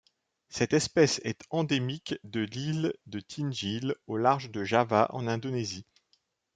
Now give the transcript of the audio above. Cette espèce est endémique de l'île de Tinjil au large de Java en Indonésie.